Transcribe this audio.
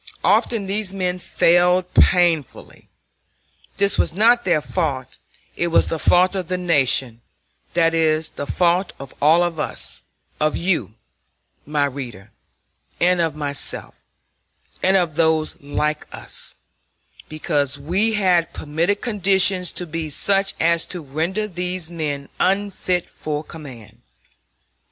Often these men failed painfully. This was not their fault; it was the fault of the Nation, that is, the fault of all of us, of you, my reader, and of myself, and of those like us, because we had permitted conditions to be such as to render these men unfit for command.